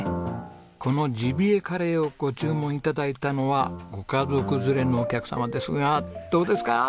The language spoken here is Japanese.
このジビエカレーをご注文頂いたのはご家族連れのお客様ですがどうですか？